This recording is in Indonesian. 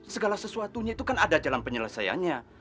segala sesuatunya itu kan ada dalam penyelesaiannya